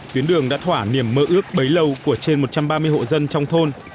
tuyến đường đã thỏa niềm mơ ước bấy lâu của trên một trăm ba mươi hộ dân trong thôn